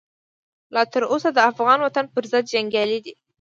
لا تر اوسه د افغان وطن پرضد جنګیالي دي.